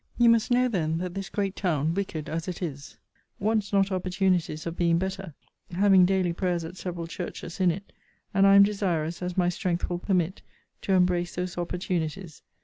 You must know then, that this great town, wicked as it is, wants not opportunities of being better; having daily prayers at several churches in it; and I am desirous, as my strength will permit, to embrace those opportunities.